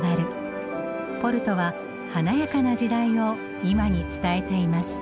ポルトは華やかな時代を今に伝えています。